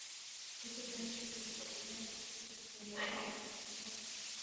hotuba za chuki na propaganda kupitia teknolojia ya digitali